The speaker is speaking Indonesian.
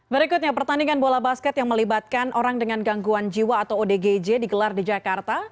berikutnya pertandingan bola basket yang melibatkan orang dengan gangguan jiwa atau odgj digelar di jakarta